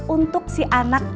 untuk si anak